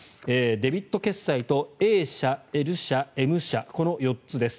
デビット決済とＡ社、Ｌ社、Ｍ社この４つです。